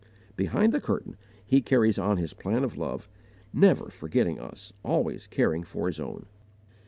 Behind the curtain He carries on His plan of love, never forgetting us, always caring for His own.